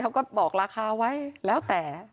เขาก็บอกราคาไว้แล้วแต่